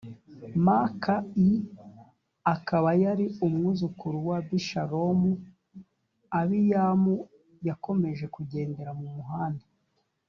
maka i akaba yari umwuzukuru wa abishalomu abiyamu yakomeje kugendera mumuhanda